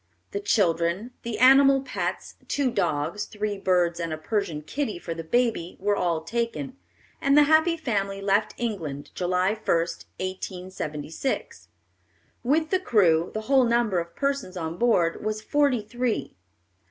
The children, the animal pets, two dogs, three birds, and a Persian kitten for the baby, were all taken, and the happy family left England July 1, 1876. With the crew, the whole number of persons on board was forty three.